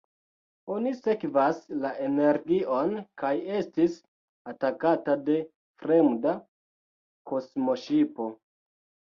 Oni sekvas la energion kaj estis atakata de fremda kosmoŝipo.